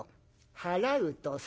払うとさ。